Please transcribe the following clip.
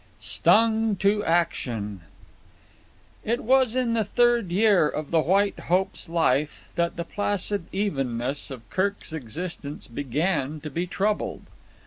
Stung to Action It was in the third year of the White Hope's life that the placid evenness of Kirk's existence began to be troubled.